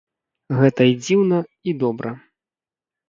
Гэта і дзіўна, і добра.